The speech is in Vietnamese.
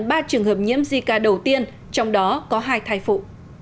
ba trường hợp nhiễm zika đầu tiên trong đó có hai thai phụ